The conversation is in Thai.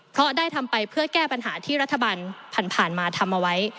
เพราะได้ทำไปเพื่อแก้ปัญหาที่รัฐบาลผ่านมาทำเอาไว้